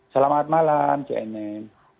selamat malam c n m